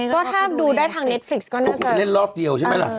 ก็ถ้าดูได้ทางเนสฟิกซ์ก็น่าจะเล่นรอบเดียวใช่ไหมล่ะ